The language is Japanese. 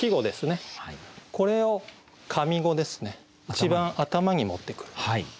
これを上五一番頭に持ってくる。